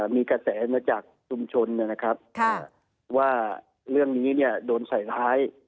มีกระแสมาจากชุมชนนะครับว่าเรื่องนี้โดนใส่ท้าย